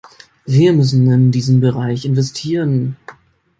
Wir müssen in diesen Bereich investieren.